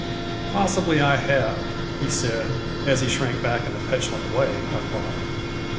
"Possibly I have," he said, as he shrank back in a petulant way, I thought.